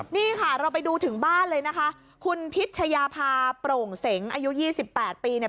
นี่ค่ะเราไปดูถึงบ้านเลยนะคะคุณพิชยาภาโปร่งเสงอายุ๒๘ปีเนี่ย